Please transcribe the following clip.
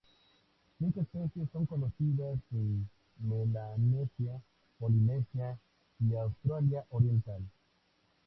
Cinco especies son conocidas de Melanesia, Polinesia y Australia oriental.